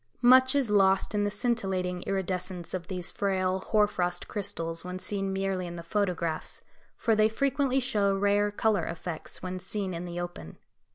Much is lost in the scintillating iridescence of these frail hoar frost crystals when seen merely in the photographs, for they frequently show rare colour effects when seen in the open.